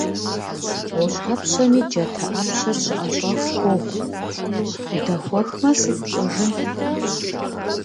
ГъущӀ Ӏэпщэми джатэ Ӏэпщэр щыӀэщӀэху къохъу: удэхуэхмэ, сыт пщӀэжын?